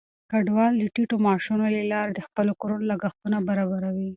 کډوال د ټیټو معاشونو له لارې د خپلو کورونو لګښتونه برابروي.